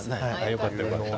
よかった。